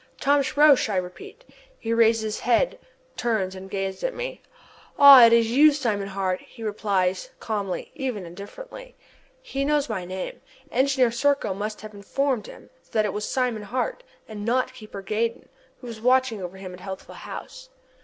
"Thomas Roch!" I repeat. He raises his head, turns and gazes at me. "Ah! it is you, Simon Hart!" he replies calmly, even indifferently. He knows my name. Engineer Serko must have informed him that it was Simon Hart, and not Keeper Gaydon who was watching over him at Healthful House.